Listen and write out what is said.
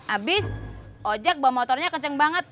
abis ojek bawa motornya kenceng banget